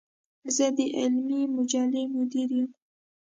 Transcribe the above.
زۀ د علمي مجلې مدير يم.